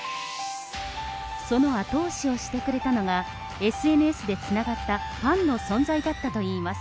その後押しをしてくれたのが、ＳＮＳでつながったファンの存在だったといいます。